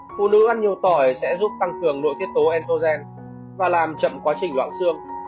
phụ nữ ăn nhiều tỏi sẽ giúp tăng trưởng nội tiết tố entrogen và làm chậm quá trình loạn sương